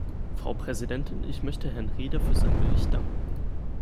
Frau Präsidentin, ich möchte Herrn Rehder für seinen Bericht danken.